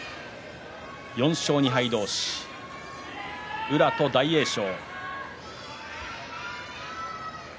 ４勝２敗同士宇良と大栄翔。